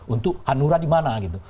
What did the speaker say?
untuk hanura di mana gitu